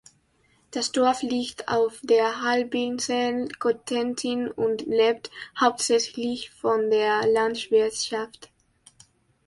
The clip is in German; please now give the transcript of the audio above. Das Dorf liegt auf der Halbinsel Cotentin und lebt hauptsächlich von der Landwirtschaft.